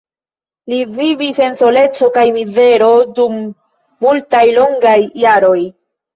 Li vivis en soleco kaj mizero dum multaj longaj jaroj.